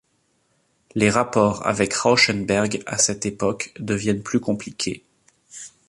Les rapports avec Rauschenberg à cette époque deviennent plus compliqués.